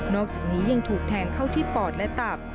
อกจากนี้ยังถูกแทงเข้าที่ปอดและตับ